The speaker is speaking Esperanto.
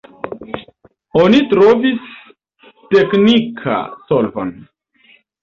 Oni trovis teknika solvon.